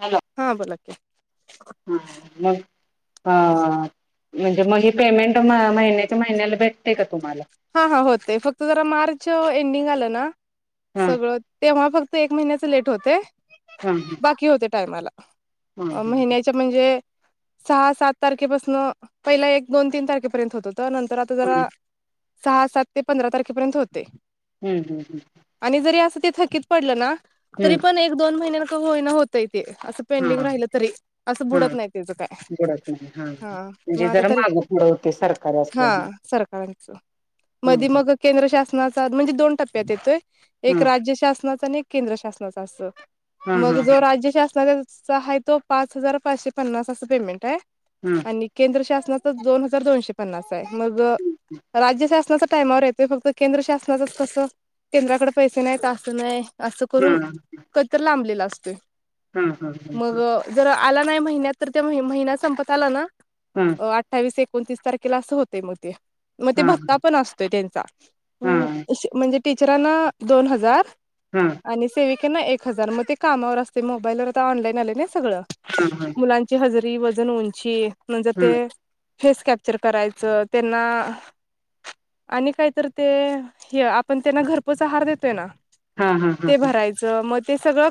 Hello हा बोला की ह हा म्हणजे मग ही पेमेंट म महिन्याच्या महिन्याला भेटते का तुम्हाला हा हा होते फक्त जरा मार्च एंडिंग आलं ना हा सगळं तेव्हा फक्त एक महिन्याच लेट होते हा हा बाकी होते टायमाला हा हा महिन्याच म्हणजे सहा सात तारखेपासून पहिला एक दोन तीन तारखेपर्यंत होत हो तर नंतर आता जरा सहा सात ते पंधरा तारखेपर्यंत होते हम्म हम्म हम् आणि जरी असं ते थकीत पडलं ना तरी पण एक दोन महिन्या होईना होतय ते असं पेंडिंग हा राहिलं तरी असं हा बुडत नाही तचं काय बुडत नाही हा मग म्हणजे आता जरा तरी मागं पुढं होते सरकारी हा असल्यामुळे सरकारांचं मध हम्म मग केंद्र शासनाचा म्हणजे दोन टप्प्यात येतोय एक हम्म राज्य शासनाचा केंद्र शासनाचा अस हा मग हा जो राज्य शासना सय तो पाच हजार पाचशे पन्नास असं पेमेंट आहे हा आणि केंद्र श दोन हजार दोनशे पन्नास आहे मग राज्य शासनाच्या टामावर येतोय फक्त केंद्र शासनाचंच कसं केंद्राकडे पैसे नाही तासं नाही असं करून कहीतर लांबलेला असतो हम्म हम्म हम्म हम्म. आला नाही महिन्यात तर ते म महिना संपत आला ना हा अ अठ्ठावीस एक कोणतीस तारखेला अस होतय, म ते म ते हा हा भत्ता पण असतोय त्यांचा हम्म श म्हणजे टीचरांना दोन हजार हा हा हा आणि सेवि कांना एक हजार मग ते कामावर असतय, मोबाईल वर आता ऑनलाईन आलय ना सगळ, हा हा हा हा मुलांची हजरी तेजी वन उंची म्हणजे ते फेस कॅपचर करायच, त्यांना आणि काहीतर ते ह्य आपण त्यांना घरपोच आहार देतोय ना ते भरायचं म ते सगळं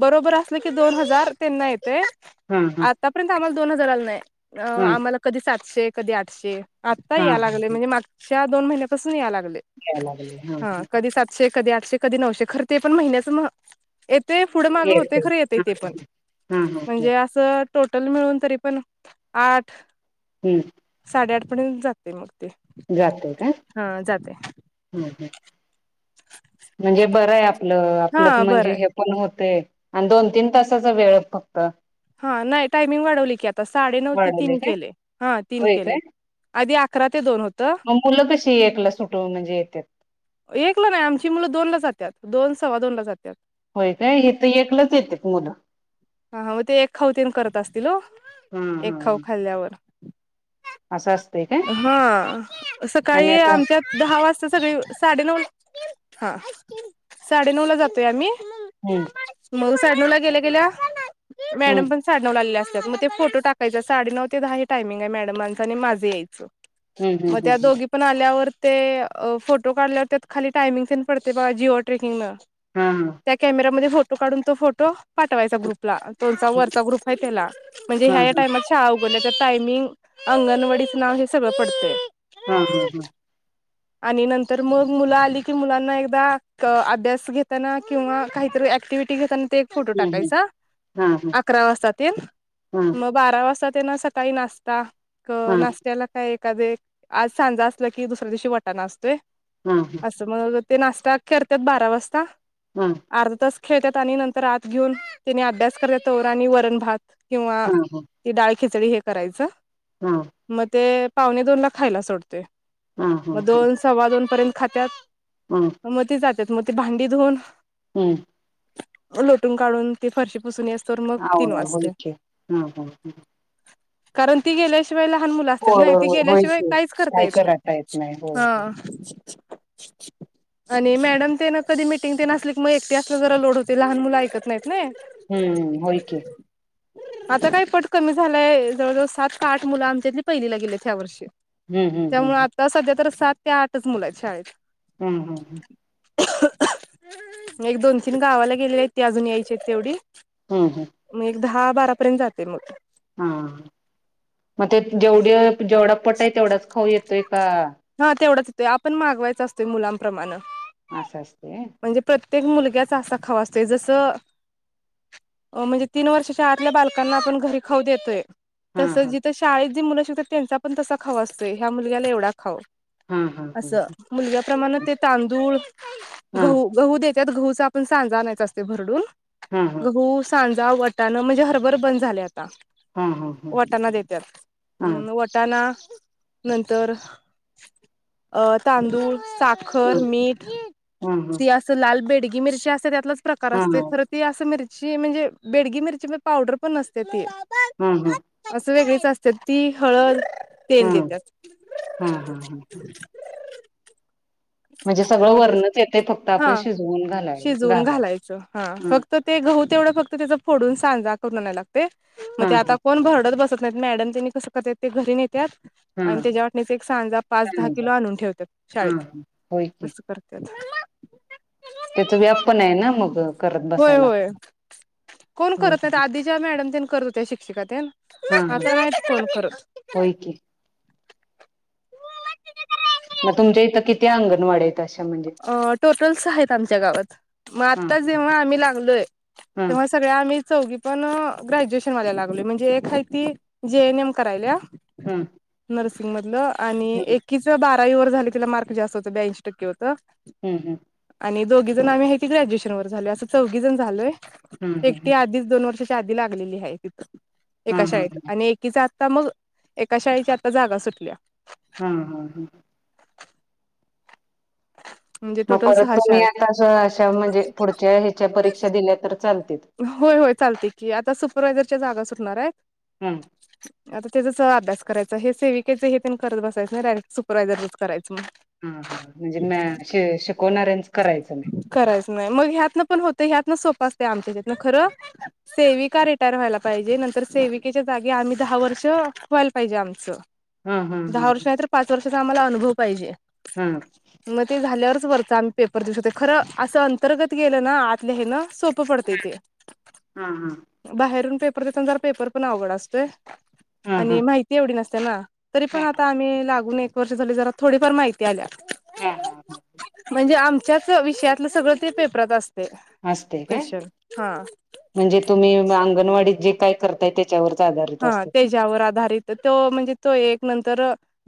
बरोबर असलं की, दोन हजार त्यांना येतय हा आतापर्यंत आम्हाला दोन हजार आल नाही अ हा आम्हाला कधी सातशे, कधी आठशे. आता हा हा यालागलय म्हणजे, मागच्या दोन महिन्यापासून यालागलय याय लागले हा. कधी सातशे कधी आठशे, कधी नऊशे खर ते पण महिन्याच म्ह येत ते पुढं माग होतय खर येतय ते पण हा हा हा म्हणजे असं टोटल मिळून तरी पण आठ हम्म आपणच जातंय मग ते जात काय हा जाते हम् हम् म्हणजे बरं आहे आपलं हा आपलं बरं म्हणजे आहे हे पण होत ते आणि दोन तीन तासाचा वेळ फक्त हा नाही टायमिंग वाढवली की आता साडे नऊ ते वाढवलंय तीन काय केलेय हा तीन होय काय केलेय आधी अकरा ते दोन होत मग मुलं कशी एकला सुटून म्हणजे येत्यात. एक ला नाही आमची मुलं दोन ला जात्यात दोन सव्वादोन ला जात्यात, होय काय हे तर एकलंच येते मुलं खाऊ तेन करत असतील हो हम्म एक खाऊ हम्म खाल्ल्यावर असं असतंय काय हा आणि सकाळी आता आमच्यात दहा वाज सगळी साडेनऊ हा साडे नऊ ला जातोय आम्ही हम्म मग साडे नऊला गेल्या गेल्या मॅडम हम्म पण साडेनऊला आलेल्या अस मग ते फोटो टाकायचा साडे नऊ ते दहा हे टायमिंग आहे मॅडमांचं आणि माझं यायचं मग हम्म त्या दोघी पण आल्यावर ते फोटो काढल्यावर त्यात खाली टायमिंग तेन पडते बघा जिओ ट्रेकिंगन हम्म त्या कॅमेरामध्ये फोटो काढून तो फोटो पाठवायचा ग्रुपला त्यांचा हम्म वरचा ग्रुप आहे त्याला म्हणजे हा हा ह्या ह्या हा टाईमात शाळा पण त्याच्यात टायमिंग अंगणवाडीच नाव हे सगळं पडतय. हा हा हा आणि नंतर मग मुलं आली की मुलांना एकदा अभ्यास घेताना किंवा काहीतरी ऍक एक्टिवीटी घेताना ते एक फोटो हम्म टाकायचा हा हा अकरा वाजाता तेन मग बारा वाजता त्यांना सकाळी नाष्टा नाष्ट्याला काय आज सांजा असला की दुसऱ्या दिवशी वटाना असतोय हा हा हा असं मग ते नाश्ता करतात बारा वाजता अर्धा तास खेळतात आणि नंतर आत घेऊन त्याने अभ्यास करत तवर आणि वरण भात किंवा हा हा हा डाळ खिचडी हे करायचं मग ते पावणे दोन ला खायला सोडतेय हा हा हा मग हा दोन सव्वा दोन पर्यंत हम्म खात्यात मग ते जात्या त्यात मग ती भांडी धुवून हम्म्म लोटून काढून ती फरशी पुसून मग हा तीन होय वाजते की हम हम कारण ती गेल्यास इतर वेळी लहान मुल असत्यात होय नी ती होय होय गेल्याशिवाय की काहीच करता काय येत नाही नाही होय होय. ह [unintelligible] आणि मॅडम ते ना कधी मिटिंग ते नसली की मग एकटी असल्यावर जरा लोड होतय, लहान मुलं ऐकत नाहीत ना हम्म होय की आता काय पट कमी झालाय जवळजवळ सात का आठ मुलं आमच्यातली पहिलीला गेलीत ह्या वर्षी हम्म हम्म त्यामुळे हम्म आता सध्या तर सात ते आठच मुलं आहेत शाळेत हम्म हम्म एक दोन तीन गावाला गेलेले आहेत ते अजून यायचेत तेवढी हम्म हम् मग एक दहा बारापर्यंत जाते मग हा मग ते जेवढे जेवढा पट आहे तेवढाच खाऊ येतो. हा तेवढाच येतोय आपण मागवायच असतोय मुलांप्रमाणे असं असतय म्हणजे प्रत्येक मुलग्याचा असा खाव असतोय जसं अ म्हणजे तीन वर्षाच्या आतल्या बालकांना आपण घरी खाऊ देतोय. हा तसं हा जिथं शाळेत जी मुलं शिकतात, त्यांचा पण तसां खाऊ असतोय ह्या मुलग्याला एवढा खाऊ. हा हा हा अस मुलग्याप्रमाणं ते तांदूळ, हा गहू गहू देत त्यात गहूचा आपण सांजा आणायच असतय भरडून. हा हा हा गहू, सांज जा वटाणं म्हणजे हरभर बंद झाल्यात ता हा हा वटाणा देत्यात, हा हा हम्म वटाणा नंतर अ तांदूळ साखर, मीठ हा ती असं लाल बेडगी मिरची आस च त्यातलाच प्रकार असतय खर ती अस मिरची म्हणजे, बेडगी मिरची म पावडर पण नसते ती. हम्म हम्म. चव वेगळीच असत्यात ती हळद, तेल देत्यात. हा [unintelligible] म्हणजे सगळं मग वरणच येते फक्त हा आपण शिजवून घालाय शिजवून घालाय घालायच, हा फक्त ते [unintelligible] तेवढं फक्त त्याच फोडून स सांजा करून आणाय लागतंय, म हा ते आता कोण भरडत बसत नाहीत, मॅडम तेनी कस करत्यात घरी न्हेत त्यात हा आणि त्याच्या वाटणीच एक सांजा पाच दहा किलो आणून ठेवत्यात हा शाळेत. होय की अस करत्यात त्याच व्याप पण हाय ना मग? करत होय बसायला होय. कोण म्हण करत नाहीत, आधीच्या मॅडमच्या तेन करत होत्या, शिक्षिका तेनं. हा हा आता नाहीत कोण करत. होय की म तुमच्या इथं किती अंगणवाड्या हाइत? अ टोटल सहा हाईत आमच्या गावात, म हा आता जेव्हा आम्ही लागलोय हा तेव्हा सगळ्या आम्ही चौघी पण ग्रॅज्युएशन वाल्या लागलोय म्हणजे, एक हाय ती जीएनएम करायल्या. हम्म. नर्सिंग मधलं आणि एकीच बारावी वर झाल, तिला मार्क जास्त होत ब्याऐंशी टक्के होत. हम्म. हम्म. आणि दोघी जण आम्ही हाय ती ग्रॅज्युएशन वर झालोय, असं चौघीजण झालोय. एकटी हम्म आधीच दोन वर्षा आधी लागलेली हाय हिथ, हा एका हा शाळेत हा आणि एकीचा ता मग एका शाळेची आत्ता जागा सुटल्या हम्म हम्म हम्म. म्हणजे म टोटल परत सहा शाळा तुम्ही आहेत आता अशा शौ म्हणजे पुढच्या हेच्या परीक्षा दिल्या तर चाल होय होय. चालतयं की आता सुपरवायझर च्या जागा सुटणार हाईत ह आता त्याचाचं अभ्यास करायच, हे सेविकेच हे पनं करत बसायचं, डायरेक्ट सुपरवायझरच कराय हा हा. म्हणजे मॅ श शिकवणाऱ्यां करायच नाही मग ह्यातनं पण होतयं, ह्यात हा सोप असतय, आमच्या हेज्यातन सेविका खर रिटायर व्हायला पाहिजे. नंतर सेविकेच्या जागी आमी धा दहा वर्ष व्हायला पाहिजे आमचं. हा हा हा दहा वर्ष नाही तर, पाच वर्षाचा आम्हाला अनुभव पाहिजे हा मग ते झाल्यावरच [unintelligible] पेपर देऊ शकतो. खर असं अंतर्गत गेलं ना, सोपं पडतंय ते. हा बाहेरून पेपर देतान जरा पेपर पण अवघड असतोय. हा हा आणि माहिती एवढी नसते ना, तरी पण आता आम्ही लागन एक वर्ष झाली जरा थोडीफार माहिती आल्यात. हा हा हा. म्हणजे आमच्याच विषयातलं सगळं ते पेपरात असतं. असतय काय? म्हणजे तुम्ही अंगणवाडीत जे काय करताय त्याच्यावरच आधारित हा असते त्याच्यावर आधारित तो, म्हणजे तो एक नंतर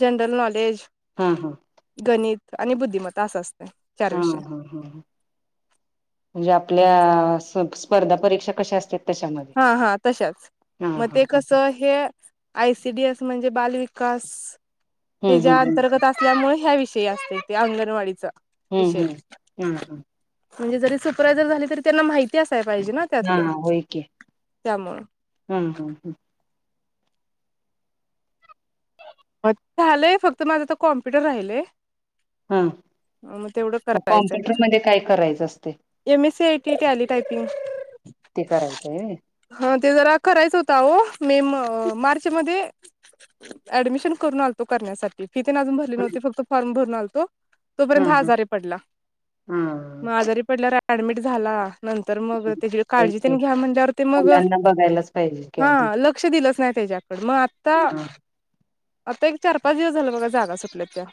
जनरल नॉलेज हा हा. गणित आणि बुद्धिमता असते चार हा विषय हा ह म्हणजे आपल्या स्पर्धा परीक्षा कशा असत्यात? हा हा तशाच मग हा ते कस ह हे आयसीडीएस म्हणजे बाल वि विकास हम्म हे ज्या हम्म अंतर्गत असल्यामुळे ह्या विषयी असते ते अंगणवाडीचा हम्म विषय हम्म हम्म हम्म. म्हणजे जरी सुपरयझर झाली तरी त्यांना माहिती असायला पाहिजे ना त्यातलं त्यामुळं. हम् हम् हम्. झालंय फक्त माझं तर कॉम्प्युटर राहिलय हा अ मग तेवढं मग करायचंय कॉम्प्युटर मध्ये काय करायचं असते M. C. IT, Tally, typing ते करायचंय होय हा ते जरा करायच होत अहो मि मार्च मध्ये ऍडमिशन करून आलतो करण्यासाठी, फी ते ना अजून भरली नव्हती फक्त फॉर्म भरून आलतो. हा तोपर्यंत हा आजारी पडला, मग हा आजारी पडल्यावर ऍडमिट झाला. नंतर मग त्याची होय काळजी की त्यांनी घ्या म्हणल्यावरती मग मुलांना बघायलाच पाहिजे की हा आधी लक्ष दिलंच नाही. त्याच्याकड मग आता, हा आता एक चार पाच दिवस झाल बघा जागा सुटल्या त्या.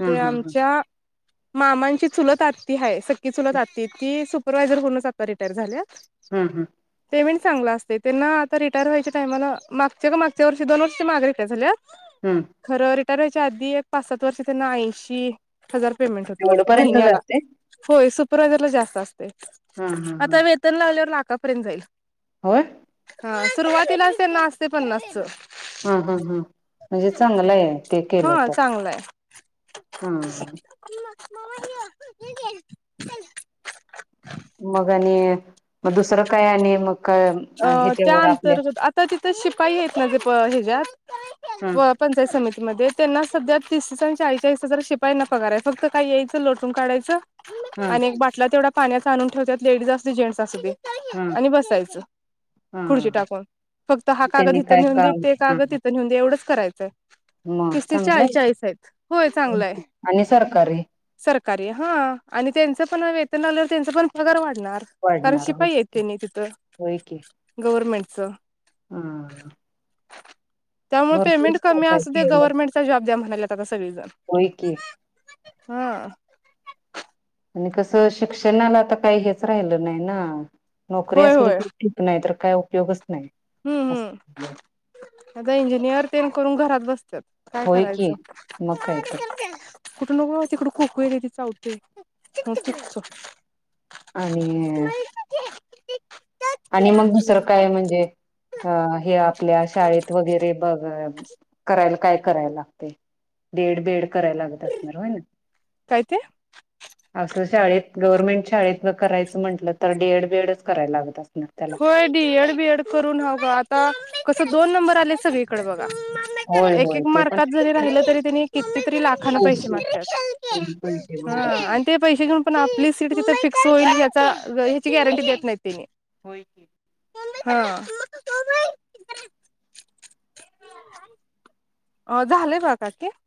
हा तेे हा आमच्या मामांची चुलत आती आहे सकी चुलत आती ती सू परवायझर म्हणूनच आता रिटायर झाल्या. हम हम्. चांगला असते त्यांना आता, रिटार्हायच्या टायमाला मागच्या का मागच्या दोन वर्षी मागरिक [unintelligible] आहे झाल्या हा खरं रिटायर व्हायच्या आधी एक पाच सात वर्ष त्यांना ऐंशी हजार हजार पेयमेन्ट होतं एवढपर्यंत महिन्याला जाते सुपरवाईजरला जास्त असते, हा हा हा आता वेतन लागल्यावर लाखापर्यंत जाईल. होय? हा सुरुवातीलाच त्यां ना असते पन्नास चं हम हम हम म्हणजे चांगलं आहे ते केलं हा तर चांगलंय हा ह. मावा [unintelligible] मग आणि मग दुसरं काय आणि मग? काय अ त्या ह्याच्यावर आपल्या अंतर्गत आता ति तर शिपाई आहेत ना जे प हच्यात हा पंचायत समिती? मध्ये त्यांना सध्या तीस दिस ळीस ज शिपायला पगाराय फक्त काही यायचं लोटून काढयचं हा आणि एक बाटला तेवढा पाण्याचा आणून ठेवतात लेडीज असू जेंट्स असू दे हा आणि बसायचं. हा खुर्ची टाकून फक्त हा कागद त्यांनी इथं काय नेऊन दे, काम ते हा कागद हा तिथ नेऊन दे एवढंच करायचंय. मग तीस तीस चांगलं चाळीस आहे चाळीस आहेत, होय चांगलं आहे. आणि सरकारी सरकारी हा आणि त्यांचं पण वेतन आल्यावर त्यांचा पण पगार वाढणार कारण वाढणार शिपाई होच की येते नाही तिथं. गवर्नमेंटचं हम्. त्यामुळे पेमेंट कमी आहे अस दे केलं गव्हर्नमेंटचा जॉब द्या म्हणायल्यात आता सगळीजण. होय की हा [unintelligible] आणि कसं शिक्षणाला तर काही हेच राहिलं नाही ना. नोकरी होय असली होय की ठीक नाही तर काय उपयोग अस हम्म, हम्म. आता इंजिनिअर ते न करून घरात बसत्यात. काय होय की करायचं? मग काय तर [unintelligible] कुठं नको तिकडं खोक येतंय ती चावतय. [unintelligible] आणि आणि मग दुसरं काय म्हणजे, अ हे आप आपल्या शाळेत वगैरे बगा करायला काय करायला लागतय. डी. Ed., B. एड.. कराय लागत असणार, होय ना. काय ते अस शाळेत गव्हर्नमेंट शाळेत न करायचं म्हटलं तर, डी. Ed., B. एड. च करायला लागत अस होय, डी. Ed., B. एड. करून हं आता कसं दोन नंबर आले सगळीकडे बघ. होय एक- होय एक ते पण मार्कात जरी राहिल पैसे तरी, त्यांनी किती तरी लाखान पैसे मागतात. पैसे [inaudible] हा बरोबर आणि ते पैसे घेऊन पण, आपली सीट तिथं फिट होईल याचा ह्याची गॅरंटी देत नाहीत तेनि. व्हय कि. [inaudible] ह [inaudible] अ, झाले [unintelligible]